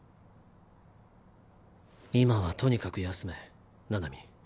今はとにかく休め七海。